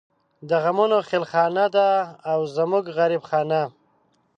د غمونو خېلخانه ده او زمونږ غريب خانه